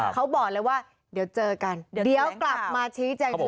เขาบอกเลยว่าเดี๋ยวเจอกันเดี๋ยวกลับมาชี้แจกดินแหลงข่าว